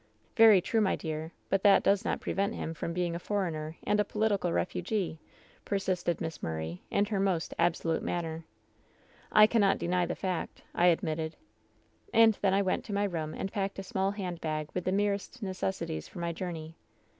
" *Very true, my dear ! But that does not prevent him from being a foreigner and a political refugee,' per sisted Miss Murray, in her most absolute manner. WHEN SHADOWS DIE 165 " ^I cannot deny the fact/ I admitted. "And then I went to my room and packed a small handbag with the merest necessaries for my journey.